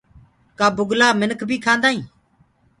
ڪآ بُگلآ منک بي کآندآ هين؟